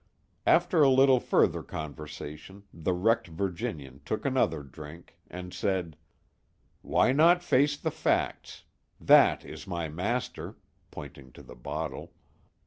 After a little further conversation, the wrecked Virginian took another drink, and said: "Why not face the facts? That is my master" pointing to the bottle.